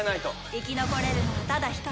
生き残れるのはただ一人。